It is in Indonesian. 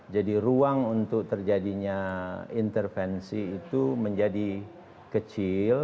jadi ruang untuk terjadinya intervensi itu menjadi kecil